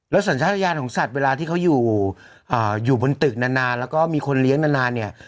แล้วสัญญาณของสัตว์เวลาที่เขาอยู่อ่าอยู่บนตึกนานนานแล้วก็มีคนเลี้ยงนานนานเนี้ย